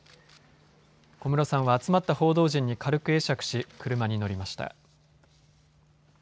小室さんは集まった報道陣に軽く会釈し、車に乗りました。